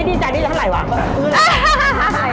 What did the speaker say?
ไอ้ดีใจนี่จะเท่าไหร่วะ